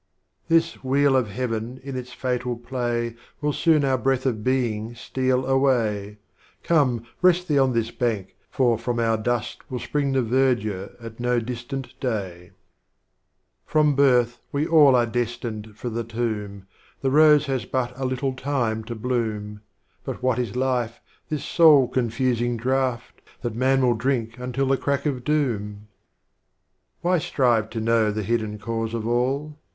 III. This 'wheel of heaven' in its Fatal Play Will soon our Breath of Being steal away, — Come rest thee on this bank, for from our dust Will spring the Verdure at no distant day. 24 Strophes of Omar Khayydm. IV. From Birth we all are destined for the Tomb, — The Rose has but a little time to Bloom, — But what is Life, this Soul coafusiag Draught, That mau will drink until the Crack of Doom ? Why strive to know the Hidden Cause of All